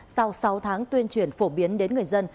sau sáu tháng tuyên truyền phổ biến đến người dân